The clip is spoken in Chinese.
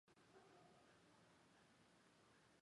圣布里克德朗代莱。